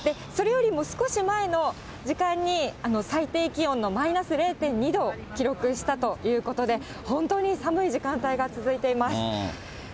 それよりも少し前の時間に、最低気温のマイナス０．２度を記録したということで、本当に寒い時間帯が続いています。